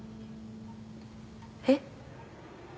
えっ？